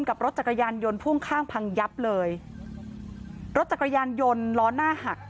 กับรถจักรยานยนต์พ่วงข้างพังยับเลยรถจักรยานยนต์ล้อหน้าหัก